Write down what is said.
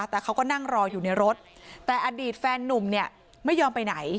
แต่เขาก็นั่งรออยู่ในรถแต่อดีตแฟนนุ่มเนี่ยไม่ยอมไปไหน